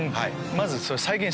まず。